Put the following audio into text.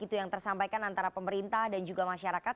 itu yang tersampaikan antara pemerintah dan juga masyarakat